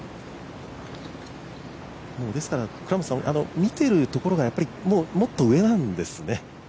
ですから見ているところが、もっと上なんですね。